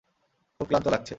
খুব ক্লান্ত লাগছে।